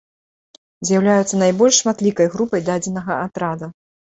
З'яўляюцца найбольш шматлікай групай дадзенага атрада.